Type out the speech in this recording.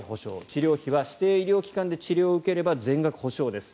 治療費は指定医療機関で治療を受ければ全額補償です。